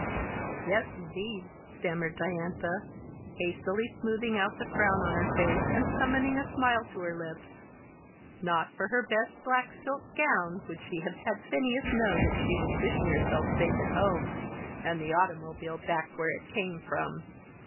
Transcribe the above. "Yes, indeed," stammered Diantha, hastily smoothing out the frown on her face and summoning a smile to her lips not for her best black silk gown would she have had Phineas know that she was wishing herself safe at home and the automobile back where it came from.